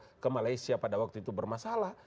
saya datang ke malaysia pada waktu itu bermasalah